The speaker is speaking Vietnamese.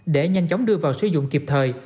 để nhanh chóng đưa vào sử dụng kịp thời